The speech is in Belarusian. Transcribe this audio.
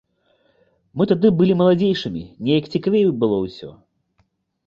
Мы тады былі маладзейшымі, неяк цікавей было ўсё.